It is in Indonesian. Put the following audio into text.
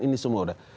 ini semua udah